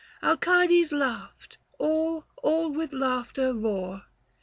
Alcides laughed ; all, all with laughter, roar.